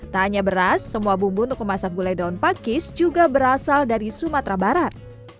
tak hanya beras semua bumbu untuk memasak gulai daun pakis juga berasal dari sumatera barat